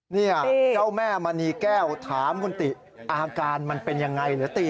เนี่ยเจ้าแม่มณีแก้วถามคุณติอาการมันเป็นยังไงหรือตี